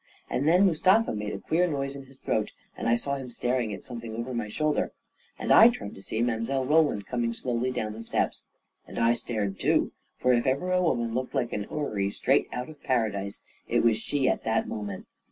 And then Mustafa made a queer noise in his throat, and I saw him staring at something over my shoulder, and I turned to see Mile. Roland coming slowly down the steps. And I stared, too, for if ever a woman looked like an houri straight out of Paradise, it was she at that moment